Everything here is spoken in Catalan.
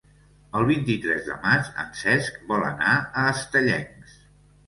El vint-i-tres de maig en Cesc vol anar a Estellencs.